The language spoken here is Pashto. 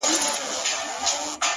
ستا د څوڼو ځنگلونه زمـا بــدن خـوري”